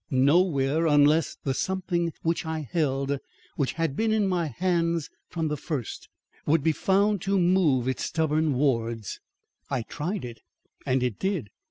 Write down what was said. Nowhere! unless the something which I held which had been in my hands from the first would be found to move its stubborn wards. I tried it and it did!